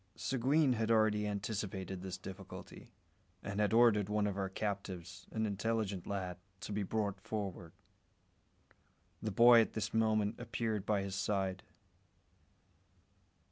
Seguin had already anticipated this difficulty, and had ordered one of our captives, an intelligent lad, to be brought forward. The boy at this moment appeared by his side.